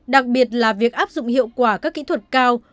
đặc biệt là việc áp dụng hiệu quả các kỹ thuật cao